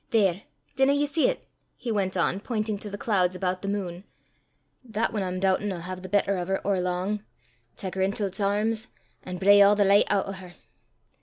There dinna ye see 't?" he went on pointing to the clouds about the moon, " that ane, I'm doobtin', 'ill hae the better o' her or lang tak her intil 'ts airms, an' bray a' the licht oot o' her.